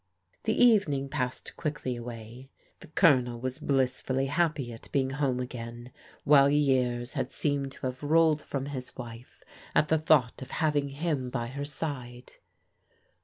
The evening passed quickly away. The Colonel was blissfully happy at being at home again, while years had seemed to have rolled from his wife at the thought of having him by her side.